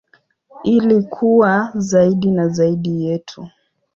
Ili kuwa zaidi na zaidi yetu.